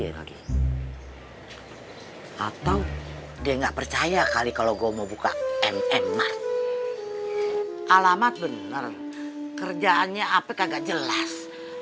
hai atau dia nggak percaya kali kalau gua mau buka mmr alamat bener kerjaannya apa kagak jelas